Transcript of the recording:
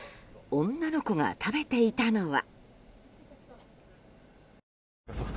女の子が食べていたのは。